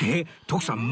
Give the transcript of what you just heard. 徳さん